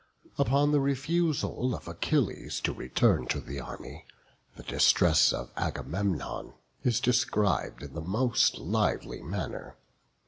Upon the refusal of Achilles to return to the army, the distress of Agamemnon is described in the most lively manner.